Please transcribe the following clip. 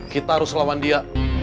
kita harus lawan dia